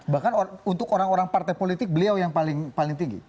bahkan untuk orang orang partai politik beliau yang paling tinggi